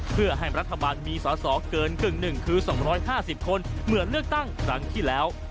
เพื่อให้รัฐบาลมีสอสอเกินกึ่งหนึ่งคือ๒๕๐คนเหมือนเลือกตั้งครั้งที่แล้ว